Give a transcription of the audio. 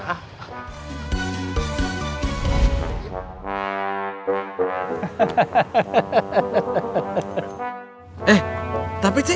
eh tapi cik